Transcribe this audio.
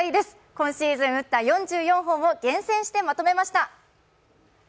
今シーズン打った４４本を厳選してまとめました